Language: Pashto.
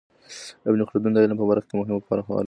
ابن خلدون د علم په برخه کي مهمه پوهه لري.